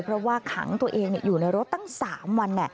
เพราะว่าขังตัวเองอยู่ในรถตั้ง๓วัน